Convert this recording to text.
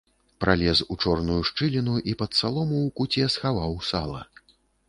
Пралез у чорную шчыліну і пад салому ў куце схаваў сала.